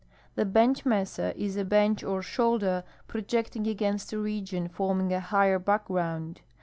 The bench mesa is a bench or shoulder projecting against a region forming a higher background.